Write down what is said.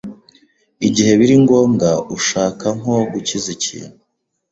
Igihe biri ngombwa ushaka nko gukiza ikintu